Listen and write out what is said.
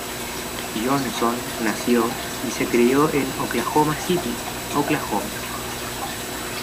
Johnson nació y se crio en Oklahoma City, Oklahoma.